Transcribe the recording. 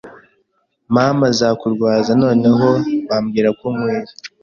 mama za kundwaza noneho bambwira ko nkwiye